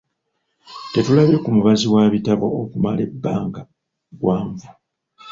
Tetulabye ku mubazi wa bitabo okumala ebbanga gwanvu.